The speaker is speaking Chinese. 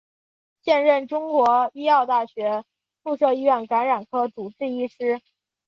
现任中国医药大学附设医院感染科主治医师。